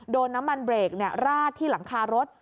โดนน้ำมันเบรกราดที่หลังคารถ